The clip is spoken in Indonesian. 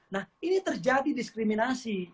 nah ini terjadi diskriminasi